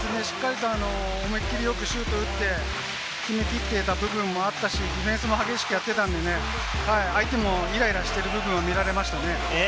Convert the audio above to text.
思い切りよくシュートを打って決めきっていた部分もあったし、ディフェンスも激しくやっていたのでね、相手もイライラしている部分は見られましたね。